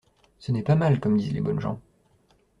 Ce n’est pas mal, comme disent les bonnes gens.